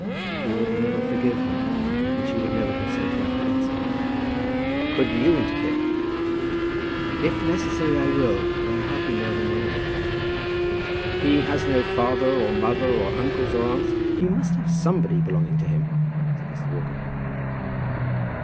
"He would never forgive her. And she would never consent to act against him." "Could you interfere?" "If necessary, I will; but I hardly know him well enough." "Has he no father or mother, or uncles or aunts? He must have somebody belonging to him," said Mr. Walker.